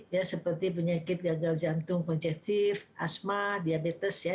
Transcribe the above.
ya seperti penyakit gagal jantung konjektif asma diabetes ya